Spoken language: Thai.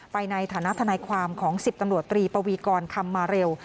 ในฐานะทนายความของ๑๐ตำรวจตรีปวีกรคำมาเร็ว